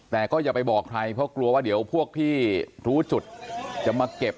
แต่ก็อย่าไปบอกใครเพราะกลัวว่าเดี๋ยวพวกที่รู้จุดจะมาเก็บ